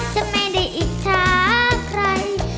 จะไม่ได้อิจฉาใคร